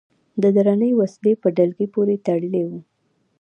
د درنې وسلې په ډلګۍ پورې تړلي و.